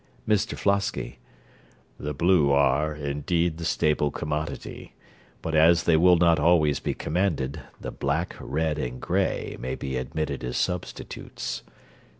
MR FLOSKY The blue are, indeed, the staple commodity; but as they will not always be commanded, the black, red, and grey may be admitted as substitutes.